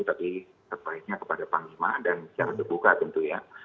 tapi terbaiknya kepada panglima dan jangan terbuka tentunya